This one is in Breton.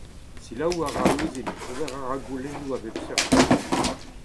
Selaou a ra ouzhin, ober a ra goulennoù a bep seurt.